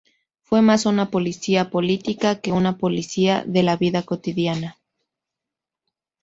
Fue más una policía política que una policía de la vida cotidiana.